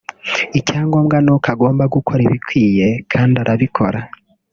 icya ngombwa ni uko agomba gukora ibikwiye kandi arabikora